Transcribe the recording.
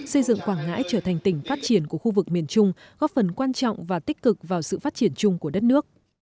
xây dựng quảng ngãi trở thành tỉnh phát triển của khu vực miền trung góp phần quan trọng và tích cực vào sự phát triển chung của đất nước